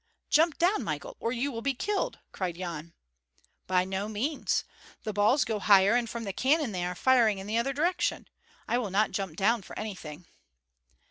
"Jump down, Michael, or you will be killed!" cried Yan. "By no means. The balls go higher; and from the cannon they are firing in the other direction. I will not jump down for anything."